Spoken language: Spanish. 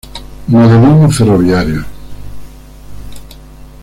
Modelismo ferroviario